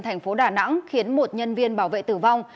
thành phố đà nẵng khiến một nhân viên bảo vệ tử vong